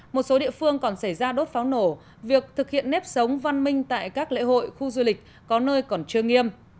một số địa phương còn xảy ra đốt pháo nổ việc thực hiện nếp sống văn minh tại các lễ hội khu du lịch có nơi còn chưa nghiêm